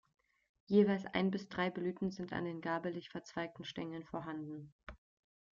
Jeweils ein bis drei Blüten sind an den gabelig verzweigten Stängeln vorhanden.